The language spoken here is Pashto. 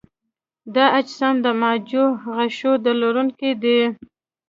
دا اجسام د معوجو غشاوو درلودونکي دي.